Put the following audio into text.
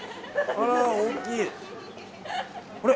あら大きい。